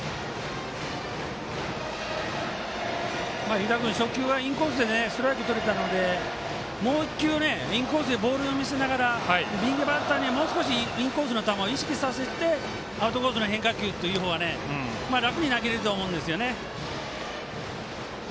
湯田君、初球はインコースでストライクとれたのでもう１球インコースへボールを見せながら右バッターには、もう少しインコースの球を意識させてアウトコースの変化球というほうが楽に投げれると思うんです。